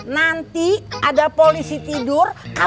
nanti kamu jerokin mak di jalanan